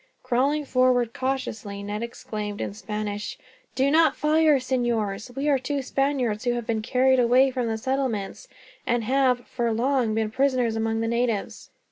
Crawling forward cautiously, Ned exclaimed, in Spanish: "Do not fire, senors. We are two Spaniards who have been carried away from the settlements, and have for long been prisoners among the natives."